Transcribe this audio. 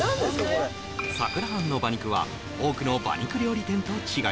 これ桜庵の馬肉は多くの馬肉料理店と違い